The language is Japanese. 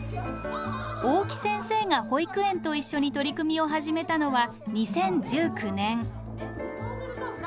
大木先生が保育園と一緒に取り組みを始めたのは２０１９年。